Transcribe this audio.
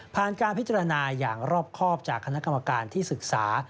การพิจารณาอย่างรอบครอบจากคณะกรรมการที่ศึกษา